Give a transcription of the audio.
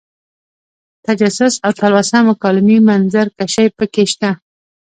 تجسس او تلوسه مکالمې منظر کشۍ پکې شته.